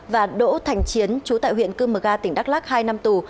và đỗ thành chiến chú tại huyện cư mờ ga tỉnh đắk lắc hai năm tù